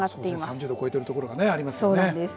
３０度を超えているところがありますね。